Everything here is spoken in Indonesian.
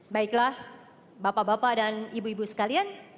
baiklah bapak bapak dan ibu ibu sekalian